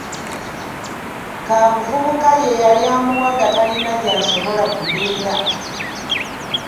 Kaabuvubuka ye yali amuwaga talina gy'asobola kugenda.